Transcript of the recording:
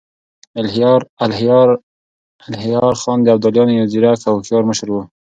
الهيار خان د ابدالیانو يو ځيرک او هوښیار مشر و.